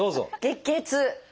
月経痛！